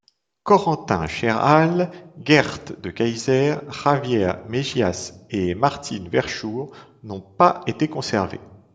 Corentin Cherhal, Gerd De Keijzer, Javier Megias et Martijn Verschoor n'ont pas été conservés.